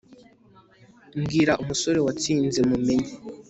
mbwira, umusore watsinze mumenye